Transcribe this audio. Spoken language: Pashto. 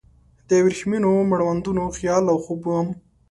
د وریښمینو مړوندونو خیال او خوب وم